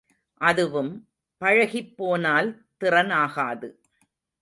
அதுவும், பழகிப் போனால் திறனாகாது.